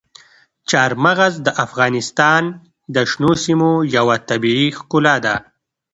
چار مغز د افغانستان د شنو سیمو یوه طبیعي ښکلا ده.